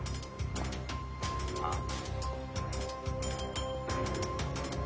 ああ？